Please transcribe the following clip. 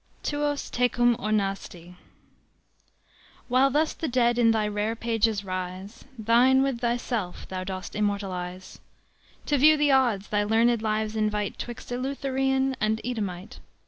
Tuos Tecum Ornasti. "While thus the dead in thy rare pages rise Thine, with thyself, thou dost immortalise, To view the odds thy learned lives invite 'Twixt Eleutherian and Edomite.